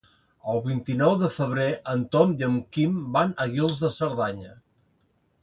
El vint-i-nou de febrer en Tom i en Quim van a Guils de Cerdanya.